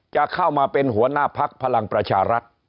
จะเข้ามาเป็นหัวหน้าพักพลังประชารัฐ